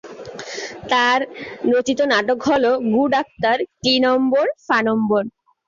তার রচিত নাটক হল "গুডাক্তার ক্লিনম্বর ফানম্বর"।